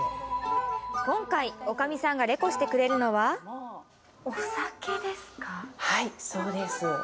今回女将さんがレコしてくれるのははいそうです